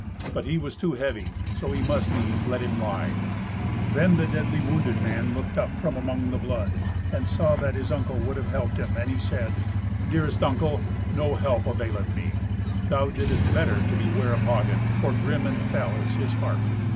But he was too heavy, so he must needs let him lie. Then the deadly wounded man looked up from among the blood, and saw that his uncle would have helped him, and he said, "Dearest uncle, no help availeth me. Thou didest better to beware of Hagen, for grim and fell is his heart.